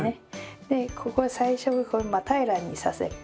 でここ最初真っ平らにさせる。